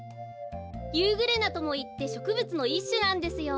「ユーグレナ」ともいってしょくぶつのいっしゅなんですよ。